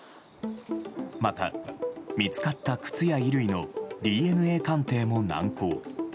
また、見つかった靴や衣類のＤＮＡ鑑定も難航。